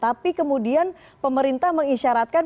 tapi kemudian pemerintah mengisyaratkan